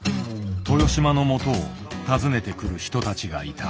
豊島のもとを訪ねてくる人たちがいた。